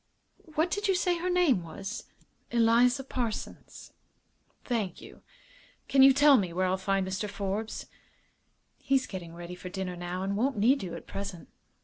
What did you say her name was?" "Eliza Parsons." "Thank you. Can you tell me where I'll find Mr. Forbes?" "He's getting ready for dinner, now, and won't need you at present."